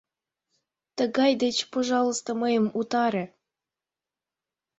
— Тыгай деч, пожалуйста, мыйым утаре.